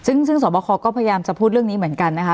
ซึ่งสวบคก็พยายามจะพูดเรื่องนี้เหมือนกันนะคะ